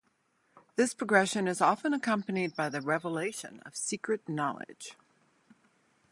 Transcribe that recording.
This progression is often accompanied by the revelation of secret knowledge.